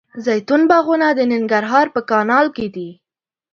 زیتون باغونه د ننګرهار په کانال کې دي.